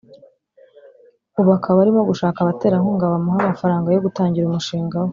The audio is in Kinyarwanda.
ubu akaba arimo gushaka abaterankunga bamuhe amafaranga yo gutangira umushinga we